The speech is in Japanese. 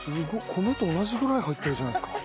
米と同じぐらい入ってるじゃないですか。